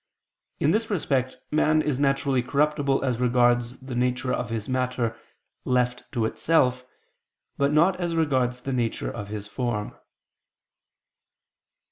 In this respect man is naturally corruptible as regards the nature of his matter left to itself, but not as regards the nature of his form.